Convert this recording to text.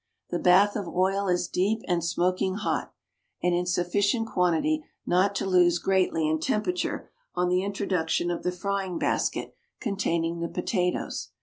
The bath of oil is deep and smoking hot, and in sufficient quantity not to lose greatly in temperature on the introduction of the frying basket containing the potatoes.